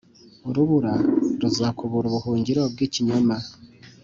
Urubura ruzakubura ubuhungiro bw’ikinyoma,